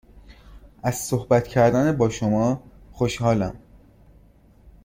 از صحبت کردن با شما خوشحالم.